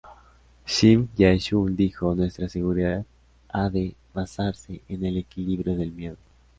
Shim Jae-chul dijo: "Nuestra seguridad ha de basarse en el equilibrio del miedo".